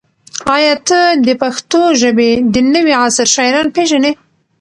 ایا ته د پښتو ژبې د نوي عصر شاعران پېژنې؟